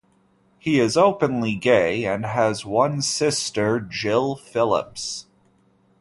He is openly gay and has one sister, Jill Phillips.